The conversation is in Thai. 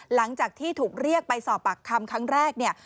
หลังจากที่ถูกเรียกไปสอบปากคำครั้งแรกเนี่ย